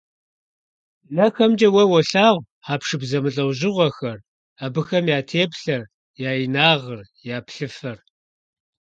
НэхэмкӀэ уэ уолъагъу хьэпшып зэмылӀэужьыгъуэхэр, абыхэм я теплъэр, я инагъыр, я плъыфэр.